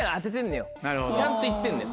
ちゃんと行ってんだよ